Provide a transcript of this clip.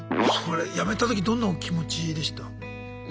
それやめた時どんなお気持ちでした？